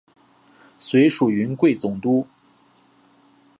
随署云贵总督。